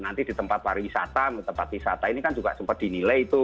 nanti di tempat pariwisata tempat wisata ini kan juga sempat dinilai itu